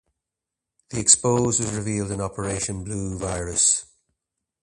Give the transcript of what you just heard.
The Expose was revealed in 'Operation Blue Virus'